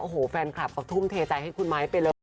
โอ้โฮแฟนคลับก็ทุ่มเทใจให้คุณไมค์ไปเริ่ม